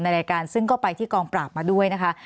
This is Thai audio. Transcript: ในรายการซึ่งก็ไปที่กองปราบมาด้วยนะคะ